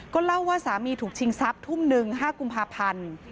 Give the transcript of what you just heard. เล่าว่าสามีถูกชิงทรัพย์ทุ่มหนึ่ง๕กุมภาพันธ์